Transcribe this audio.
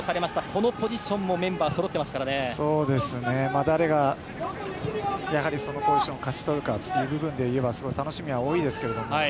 このポジションも誰がそのポジションを勝ち取るかという部分でいえば楽しみは多いですが。